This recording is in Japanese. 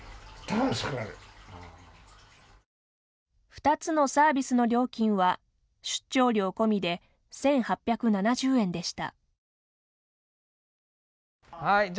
２つのサービスの料金は出張料込みで、１８７０円でした。